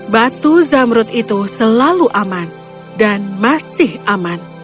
batu zamrut itu selalu aman dan masih aman